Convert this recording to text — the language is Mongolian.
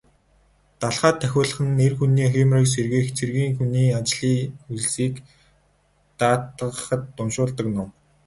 Далха тахиулах нь эр хүний хийморийг сэргээх, цэргийн хүний ажил үйлсийг даатгахад уншуулдаг ном.